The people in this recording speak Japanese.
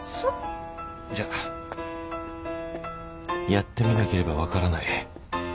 やってみなければ分からない。